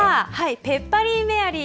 ペッパリーメアリー！